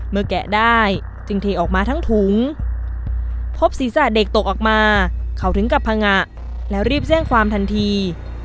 แกะได้จึงเทออกมาทั้งถุงพบศีรษะเด็กตกออกมาเขาถึงกับพังงะแล้วรีบแจ้งความทันที